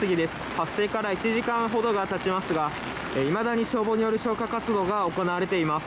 発生から１時間ほどがたちますが、いまだに消防による消火活動が行われています。